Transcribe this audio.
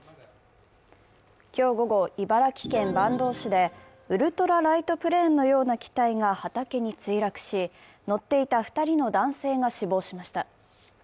今日午後、茨城県坂東市でウルトラライトプレーンのような機体が畑に墜落し、乗っていた２人の男性が死亡しました。